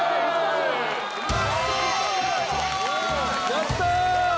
やったー！